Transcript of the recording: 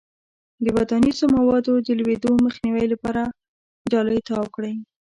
د ودانیزو موادو د لویدو مخنیوي لپاره جالۍ تاو کړئ.